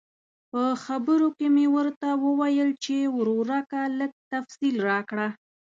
په خبرو کې مې ورته وویل چې ورورکه لږ تفصیل راکړه.